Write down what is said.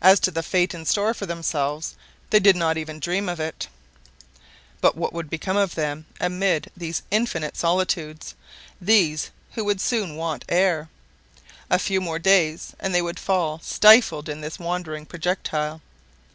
As to the fate in store for themselves, they did not even dream of it. But what would become of them amid these infinite solitudes, these who would soon want air? A few more days, and they would fall stifled in this wandering projectile.